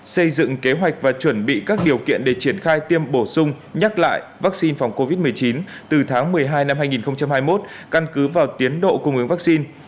xây dựng kế hoạch và chuẩn bị các điều kiện để triển khai tiêm bổ sung nhắc lại vaccine phòng covid một mươi chín từ tháng một mươi hai năm hai nghìn hai mươi một căn cứ vào tiến độ cung ứng vaccine